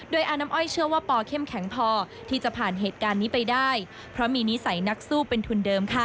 โดยอาน้ำอ้อยเชื่อว่าปอเข้มแข็งพอที่จะผ่านเหตุการณ์นี้ไปได้เพราะมีนิสัยนักสู้เป็นทุนเดิมค่ะ